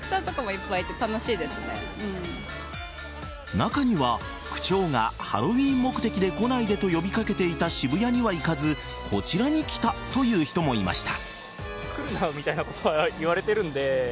中には、区長がハロウィーン目的で来ないでと呼び掛けていた渋谷には行かずこちらに来たという人もいました。